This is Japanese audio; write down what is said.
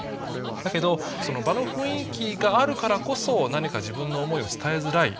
だけどその場の雰囲気があるからこそ何か自分の思いを伝えづらい。